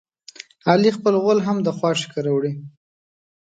علي خپل غول هم د خواښې کره وړي.